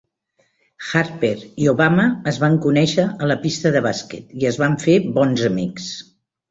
Harper i Obama es van conèixer a la pista de bàsquet i es van fer bons amics.